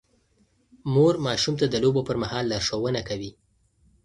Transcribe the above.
مور ماشوم ته د لوبو پر مهال لارښوونه کوي.